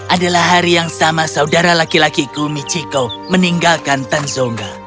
adalah hari yang sama saudara laki lakiku michiko meninggalkan tan zongga